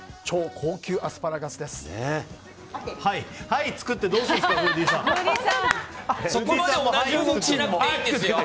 超高級アスパラガスです。